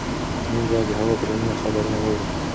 موږ باید د هوا پېژندنې خبرونه واورو.